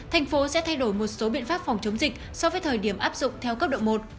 thành phố sẽ thay đổi một số biện pháp phòng chống dịch so với thời điểm áp dụng theo cấp độ một